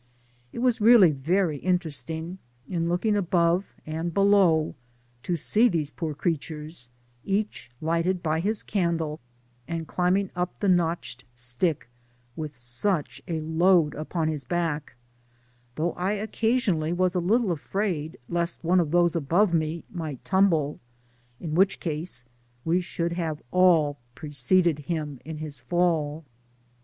It was really yery interesting, in looking above and below, to see these poor creatures, each lighted by his candle, and climbing up the notched stick with such a load upon his back, though I occasionally was a little afraid lest one of those above me might tumble, in which ease we should have all preceded him in his fall.